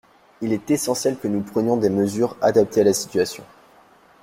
Il est essentiel que nous prenions des mesures adaptées à la situation.